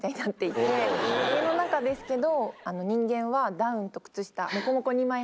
家の中ですけど。